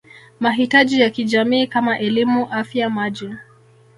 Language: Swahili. mahitaji ya kijamii kama elimu Afya Maji